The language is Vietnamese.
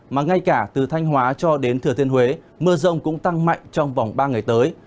mà ngay cả từ thanh hóa cho đến thừa thiên huế mưa rông cũng tăng mạnh trong vòng ba ngày tới